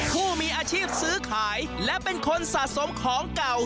ผู้มีอาชีพซื้อขายและเป็นคนสะสมของเก่า